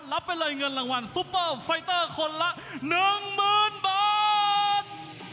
รับไปเลยเงินรางวัลซุปเปอร์ไฟเตอร์คนละ๑๐๐๐บาท